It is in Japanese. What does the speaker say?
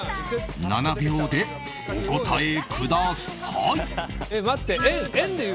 ７秒でお答えください。